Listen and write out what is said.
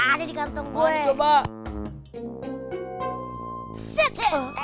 ada di kantong gue